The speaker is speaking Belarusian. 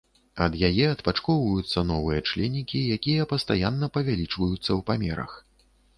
Ад яе адпачкоўваюцца новыя членікі, якія пастаянна павялічваюцца ў памерах.